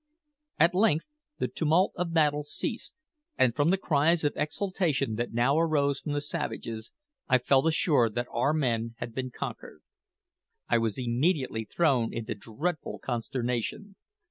At length the tumult of battle ceased, and from the cries of exultation that now arose from the savages, I felt assured that our men had been conquered. I was immediately thrown into dreadful consternation.